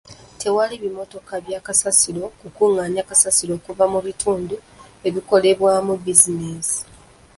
Tewali bimmotoka bya kasasiro kukungaanya kasasiro okuva mu bitndu ebikolebwamu bizinesi.